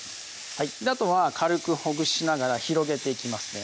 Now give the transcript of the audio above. あとは軽くほぐしながら広げていきますね